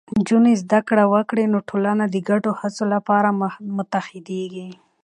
نجونې زده کړه وکړي، نو ټولنه د ګډو هڅو لپاره متحدېږي.